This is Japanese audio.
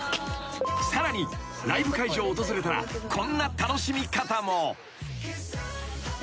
［さらにライブ会場を訪れたらこんな楽しみ方も］